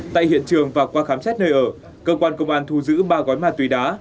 tại hiện trường và qua khám xét nơi ở cơ quan công an thu giữ ba gói ma túy đá